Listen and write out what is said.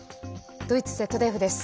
ドイツＺＤＦです。